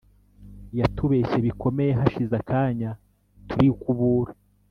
yatubeshye bikomeye, hashize akanya turikubura